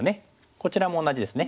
こちらも同じですね。